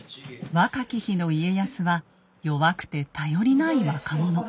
若き日の家康は弱くて頼りない若者。